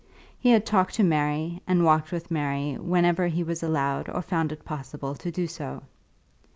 He had talked to Mary and walked with Mary whenever he was allowed or found it possible to do so.